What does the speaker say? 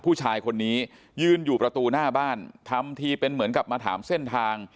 ผู้ชายคนนี้ยืนอยู่ประตูหน้าบ้านทำทีเป็นเหมือนกับมาถามเส้นทาง